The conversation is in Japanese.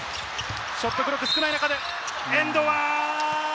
ショットクロック少ない中で、エンド１。